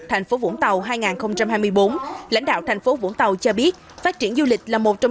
thành phố vũng tàu hai nghìn hai mươi bốn lãnh đạo thành phố vũng tàu cho biết phát triển du lịch là một trong